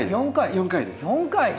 ４回！